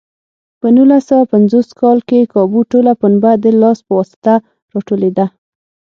په نولس سوه پنځوس کال کې کابو ټوله پنبه د لاس په واسطه راټولېده.